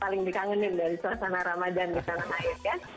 paling dikangenin dari suasana ramadhan di sana